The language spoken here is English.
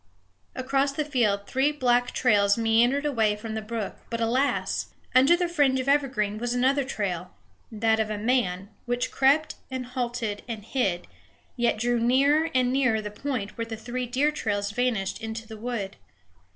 Across the field three black trails meandered away from the brook; but alas! under the fringe of evergreen was another trail, that of a man, which crept and halted and hid, yet drew nearer and nearer the point where the three deer trails vanished into the wood.